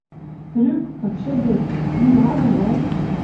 Трӱк, вычыде... Ирӹ агыл вӓл?